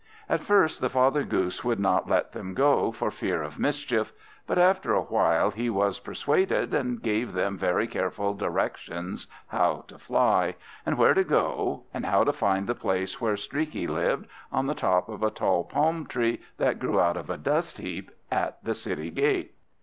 At first the father Goose would not let them go, for fear of mischief; but after a while he was persuaded, and gave them very careful directions how to fly, and where to go, and how to find the place where Streaky lived, on the top of a tall palm tree that grew out of a dust heap at the city gate.